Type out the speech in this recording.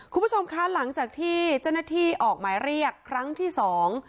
คุณผู้ชมคะหลังจากที่เจ้าหน้าที่ออกหมายเรียกครั้งที่สอง